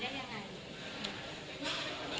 จริงเพราะว่ามาชื่อสิวด้วยหรือเปล่า